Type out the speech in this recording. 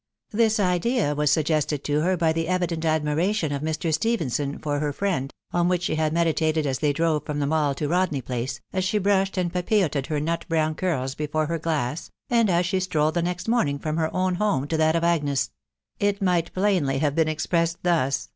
This idea was suggested to her by the evident admiration of Mr. Stephenson for her friend ; on which she had meditated as they drove from the Mall to Rodney Place, as she brushed and papilloted her nut brown curls before her glass, and as she strolled the next morning from her own home to that of Agnes ; it might plainly have been . expressed thus